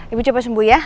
ibu coba sembuh ya